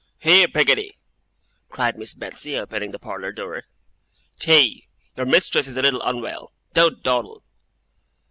'Here! Peggotty!' cried Miss Betsey, opening the parlour door. 'Tea. Your mistress is a little unwell. Don't dawdle.